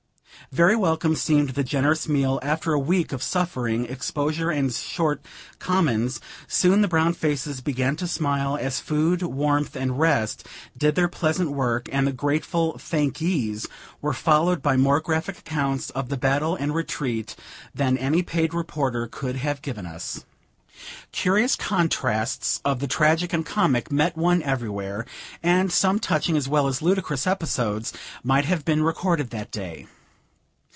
Very welcome seemed the generous meal, after a week of suffering, exposure, and short commons; soon the brown faces began to smile, as food, warmth, and rest, did their pleasant work; and the grateful "Thankee's" were followed by more graphic accounts of the battle and retreat, than any paid reporter could have given us. Curious contrasts of the tragic and comic met one everywhere; and some touching as well as ludicrous episodes, might have been recorded that day.